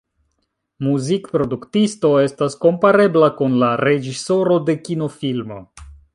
Muzikproduktisto estas komparebla kun la reĝisoro de kinofilmo.